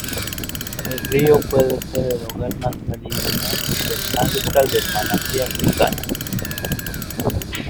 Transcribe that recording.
El río puede ser el hogar más meridional del hábitat del manatí africano.